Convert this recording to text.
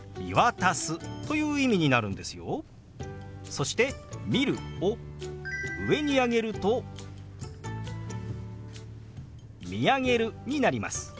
そして「見る」を上に上げると「見上げる」になります。